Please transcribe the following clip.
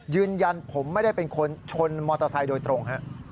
ยืนยันผมไม่ได้เป็นคนชนมอเตอร์ไซค์โดยตรง